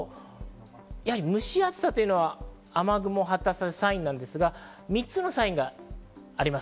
蒸し暑さは雨雲発達するサインなんですが、３つサインがあります。